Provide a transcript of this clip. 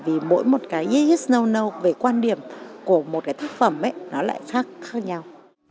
bởi vì mỗi một cái dây dây nâu nâu về quan điểm của một cái thức phẩm nó lại khác nhau